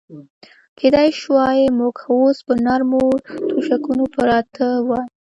کېدای شوای موږ اوس پر نرمو تشکونو پراته وای.